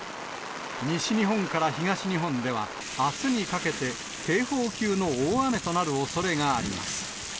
西日本から東日本では、あすにかけて、警報級の大雨となるおそれがあります。